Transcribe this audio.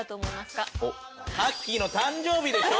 かっきーの誕生日でしょ！